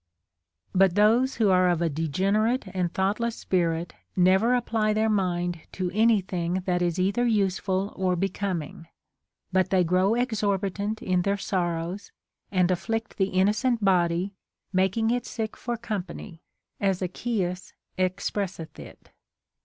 * But those who are of a degenerate and thoughtless spirit never apply their mind to any thing that is either useful or becoming ; but they grow exorbitant in their sorrows, and afflict the innocent body, making it sick for company, as Achaeus expresseth it.